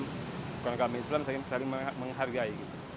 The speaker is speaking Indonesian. bukan kami islam saling menghargai